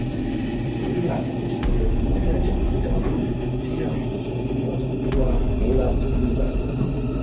Lugha ni kipengele kimoja cha utamaduni pia mswahili anatambuliwa kwa mila na tamaduni zake